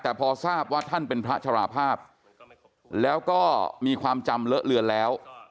แต่พอทราบว่าท่านเป็นพระชราภาพแล้วก็มีความจำเลอะเลือนแล้ว